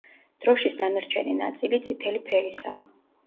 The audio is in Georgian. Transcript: დროშის დანარჩენი ნაწილი წითელი ფერისაა.